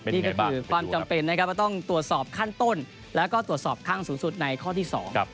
นี่ก็คือความจำเป็นนะครับว่าต้องตรวจสอบขั้นต้นแล้วก็ตรวจสอบข้างสูงสุดในข้อที่สอง